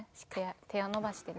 手を伸ばしてね。